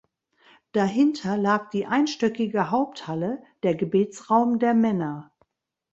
Dahinter lag die einstöckige Haupthalle (der Gebetsraum der Männer).